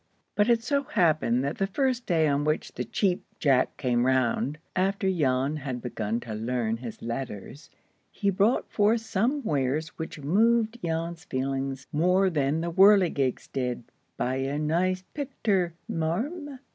But it so happened that the first day on which the Cheap Jack came round after Jan had begun to learn his letters, he brought forth some wares which moved Jan's feelings more than the whirligigs did. "Buy a nice picter, marm?"